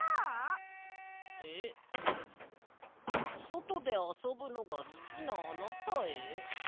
「そとであそぶのがすきなあなたへ」？